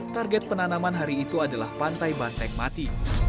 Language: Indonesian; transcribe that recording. target penanaman hari itu adalah pantai banteng mati